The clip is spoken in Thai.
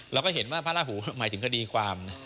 เราก็เห็นว่าพระราหูหมายถึงคดีความ